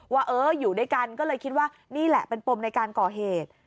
ว่าเอออยู่ด้วยกันก็เลยคิดว่านี่แหละเป็นปมในการก่อเหตุ